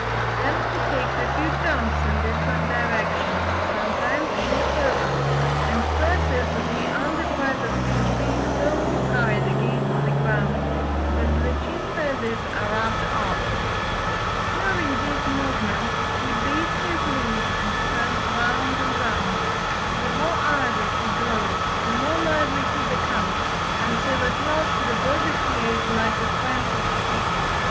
Then he takes a few jumps in different directions, sometimes in a circle, and presses the under part of his beak so hard against the ground that the chin feathers are rubbed off. During these movements he beats his wings and turns round and round. The more ardent he grows the more lively he becomes, until at last the bird appears like a frantic creature."